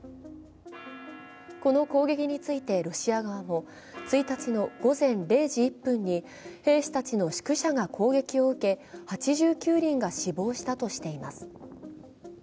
この攻撃についてロシア側も１日の午前０時１分に兵士たちの宿舎が攻撃を受け８９人が死亡したとしています。